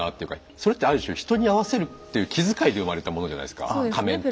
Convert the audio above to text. それってある種人に合わせるっていう気遣いで生まれたものじゃないですか仮面って。